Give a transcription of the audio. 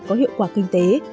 có hiệu quả kinh tế